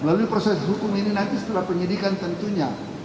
melalui proses hukum ini nanti setelah penyidikan tentunya